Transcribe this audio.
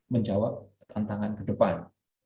menjawab tantangan ke depan